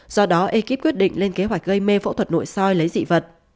do đó ekip quyết định lên kế hoạch gây mê phẫu thuật nội soi lấy dị vật